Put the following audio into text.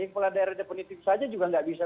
kepala daerah yang politik saja juga nggak bisa